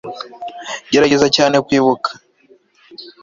gerageza cyane kwibuka